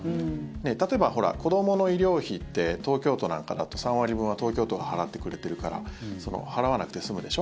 例えば子どもの医療費って東京都なんかだと３割分は東京都が払ってくれているから払わなくて済むでしょ。